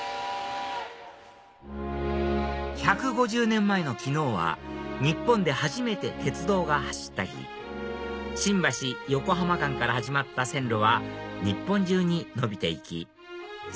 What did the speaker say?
１５０年前の昨日は日本で初めて鉄道が走った日新橋−横浜間から始まった線路は日本中に延びて行き